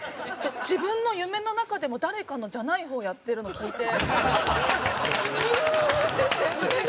自分の夢の中でも誰かのじゃない方やってるの聞いてギューってして胸が。